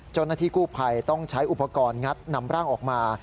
เจ้าหน้าที่กู้ภัยต้องใช้อุปกรณ์งัดนำร่างออกมา